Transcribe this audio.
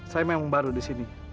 saya memang baru di sini